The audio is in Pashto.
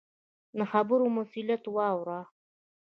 د خبرو مسؤلیت واوره.